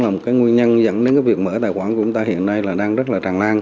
cho nên đó cũng là một nguyên nhân dẫn đến việc mở tài khoản của người ta hiện nay đang rất là tràn lan